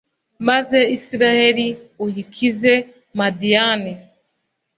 maze israheli uyikize madiyani